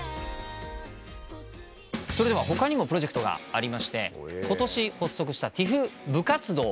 それでは他にもプロジェクトがありましてことし発足したＴＩＦ部活動。